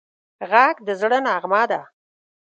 غږ د زړه نغمه ده